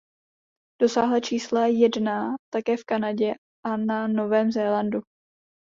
Dosáhla čísla jedna také v Kanadě a na Novém Zélandu.